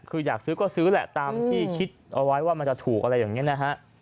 คืออยากซื้อก็ซื้อแหละตามที่คิดเอาไว้ว่ามันจะถูกอะไรอย่างนี้นะฮะ